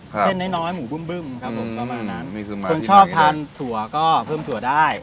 เส้นน้อยน้อยหมูบึ้มครับผมประมาณนั้นคนชอบทานถั่วก็เพิ่มถั่วได้